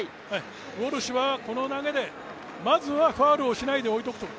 ウォルシュはこの投げで、まずはファウルをしないで置いておくと。